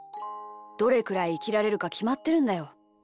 どれくらいいきられるかきまってるんだよ。